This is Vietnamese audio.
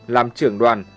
làm trưởng đoàn